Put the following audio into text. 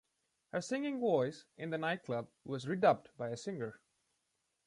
Her singing voice in the nightclub was redubbed by a singer.